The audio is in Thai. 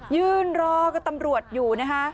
ยืนรอกับตำรวจอยู่นะคะ